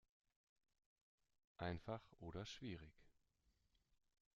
Einfach oder schwierig?